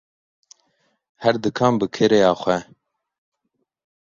Her dikan bi kirêya xwe.